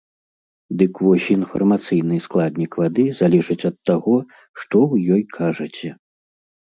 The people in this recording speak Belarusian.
Дык вось інфармацыйны складнік вады залежыць ад таго, што вы ёй кажаце.